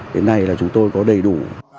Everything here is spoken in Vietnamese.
đến nay là chúng tôi có đầy đủ